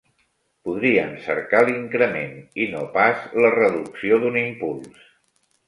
Podrien cercar l'increment, i no pas la reducció, d'un impuls.